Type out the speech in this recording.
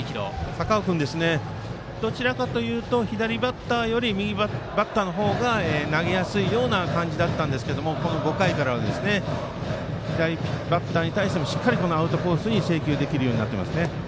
高尾君、どちらかというと左バッターより右バッターの方が投げやすいような感じでしたが５回からは左バッターに対してもしっかりアウトコースに制球できるようになっています。